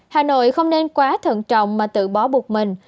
hà nội không nên quá thận trọng mà tự bó buộc mình